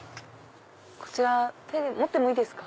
こちら手で持ってもいいですか？